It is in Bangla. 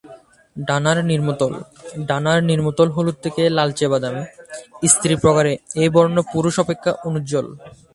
ডানার নিম্নতল: ডানার নিম্নতল হলুদ থেকে লালচে-বাদামী; স্ত্রী প্রকারে এই বর্ন পুরুষ অপেক্ষা অনুজ্জ্বল।